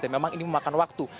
dan memang ini memakan waktu